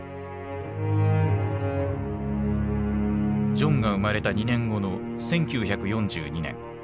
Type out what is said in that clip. ジョンが生まれた２年後の１９４２年。